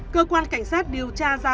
cơ quan cảnh sát điều tra ra